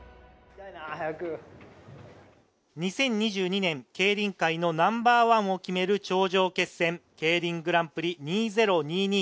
２０２２年、競輪界のナンバーワンを決める頂上決戦、ＫＥＩＲＩＮグランプリ２０２２！